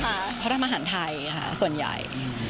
เขาทำอาหารไทยถ้าส่วนใหญ่